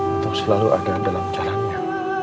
untuk selalu ada dalam jalannya